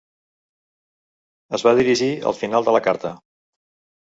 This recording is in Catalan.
Es va dirigir al final de la carta.